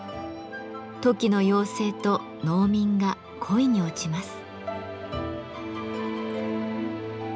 トキの妖精と農民が恋に落ちます。